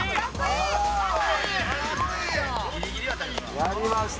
やりました。